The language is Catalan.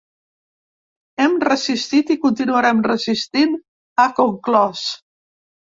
Hem resistit i continuarem resistint, ha conclòs.